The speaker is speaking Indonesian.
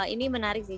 ini menarik sih